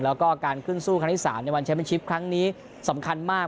แล้วก็การขึ้นสู้ครั้งที่๓ในวันแชมเป็นชิปครั้งนี้สำคัญมาก